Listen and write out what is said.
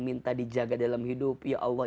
minta dijaga dalam hidup ya allah